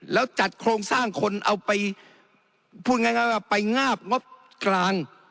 แล้วจัดโครงสร้างคนไปงาบงบกลาง